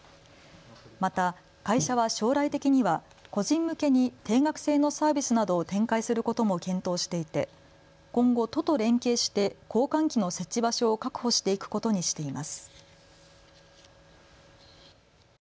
また会社は将来的には個人向けに定額制のサービスなどを展開することも検討していて今後、都と連携して交換機の設置場所を確保していくことにしています。